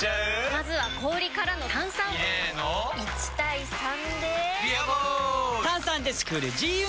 まずは氷からの炭酸！入れの１：３で「ビアボール」！